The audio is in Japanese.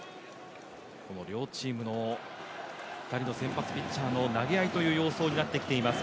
両チームの２人の先発ピッチャーの投げ合いという様相になってきました